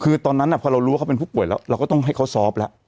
คือตอนนั้นพอเรารู้ว่าเขาเป็นผู้ป่วยแล้วเราก็ต้องให้เขาซอฟต์แล้ว